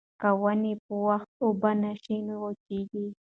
که ونې په وخت اوبه نه شي نو وچېږي.